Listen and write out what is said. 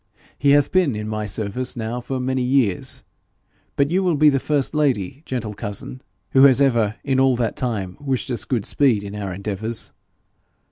He hath been in my service now for many years, but you will be the first lady, gentle cousin, who has ever in all that time wished us good speed in our endeavours.